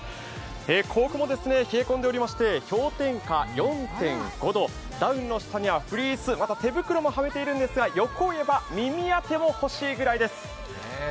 甲府も冷え込んでいまして手元の温度計で氷点下４．５度、段の下にはフリースまた手袋もはめているんですが欲を言えば耳当ても欲しいぐらいです。